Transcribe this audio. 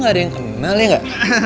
gak ada yang kenal ya nggak